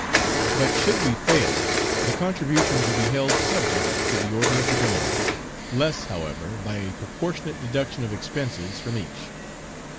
But should we fail, the contributions will be held subject to the order of the donors, less however, by a proportionate deduction of expenses from each.